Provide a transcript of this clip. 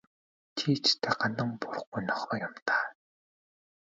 Чи ч ёстой гандан буурахгүй нохой юм даа.